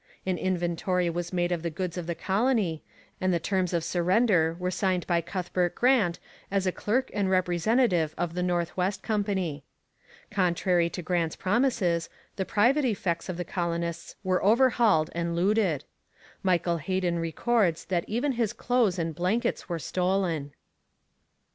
An inventory was made of the goods of the colony, and the terms of surrender were signed by Cuthbert Grant as a clerk and representative of the North West Company. Contrary to Grant's promises, the private effects of the colonists were overhauled and looted. Michael Heden records that even his clothes and blankets were stolen.